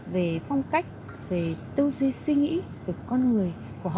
về phong cách về tư duy suy nghĩ của con người